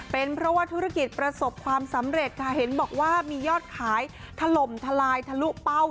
เป็นเพราะว่าธุรกิจประสบความสำเร็จค่ะเห็นบอกว่ามียอดขายถล่มทลายทะลุเป้า